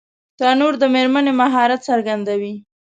تنور د مېرمنې مهارت څرګندوي